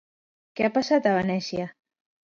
Què ha passat a Venècia?